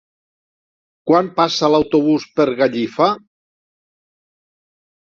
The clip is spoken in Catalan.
Quan passa l'autobús per Gallifa?